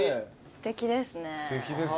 すてきですね。